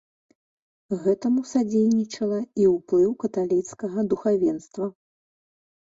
Гэтаму садзейнічала і ўплыў каталіцкага духавенства.